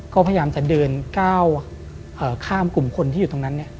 ก็พยายามจะเดินก้าวข้ามกลุ่มคนที่อยู่ตรงนั้น